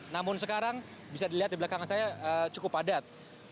namun sekarang bisa dilihat di belakang saya cukup padat